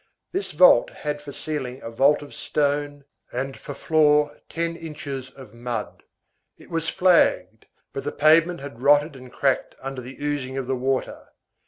This vault had for ceiling a vault of stone, and for floor ten inches of mud. It was flagged; but the pavement had rotted and cracked under the oozing of the water.